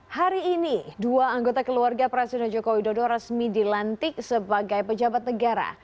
hari ini dua anggota keluarga presiden joko widodo resmi dilantik sebagai pejabat negara